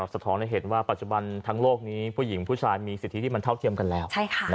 สะท้อนให้เห็นว่าปัจจุบันทั้งโลกนี้ผู้หญิงผู้ชายมีสิทธิที่มันเท่าเทียมกันแล้ว